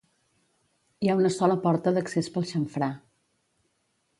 Hi ha una sola porta d'accés pel xamfrà.